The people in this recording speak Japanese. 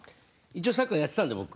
一応サッカーやってたんで僕。